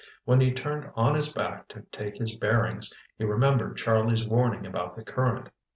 When he turned on his back to take his bearings, he remembered Charlie's warning about the current.